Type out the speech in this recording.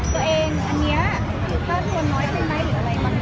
ตัวเองอันเนี้ยค่าตัวน้อยเป็นไรหรืออะไรบางที